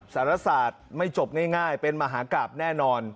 สารศาสตร์ไม่จบง่ายเป็นมหากราบแน่นอน